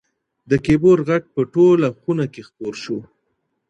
د کیبورډ غږ په ټوله خونه کې خپور شو.